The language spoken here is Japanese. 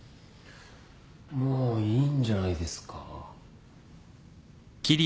もういいんじゃないですか？